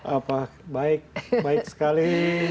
apa baik baik sekali